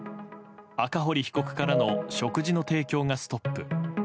赤堀被告からの食事の提供がストップ。